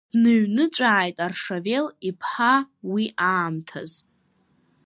Дныҩныҵәааит Аршавел иԥҳа уи аамҭаз.